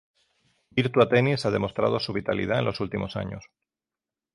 Virtua Tennis ha demostrado su vitalidad en los últimos años.